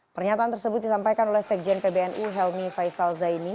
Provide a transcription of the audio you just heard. pernyataan tersebut disampaikan oleh sekjen pbnu helmi faisal zaini